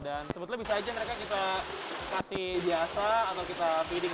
dan sebetulnya bisa aja mereka bisa kasih biasa atau kita feeding